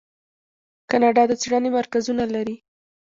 کاناډا د څیړنې مرکزونه لري.